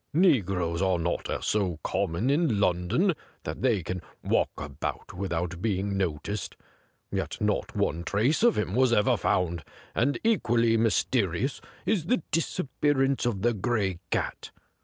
Negroes are not so common in London that they can walk about without being noticed ; yet not one trace of him was ever found, and equally ixiysteri ous is the disappearance of the Gray Cat.